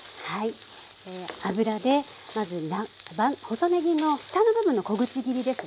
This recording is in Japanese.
油でまず細ねぎの下の部分の小口切りですね。